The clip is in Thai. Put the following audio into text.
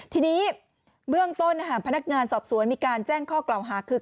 ทีนี้เบื้องต้นพนักงานสอบสวนมีการแจ้งข้อกล่าวหาคือ